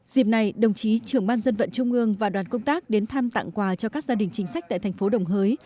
dịp này đồng chí trưởng ban dân vận trung ương và đoàn công tác đến thăm tặng quà cho các gia đình chính sách tại thành phố đồng hới